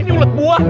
ini ulat buah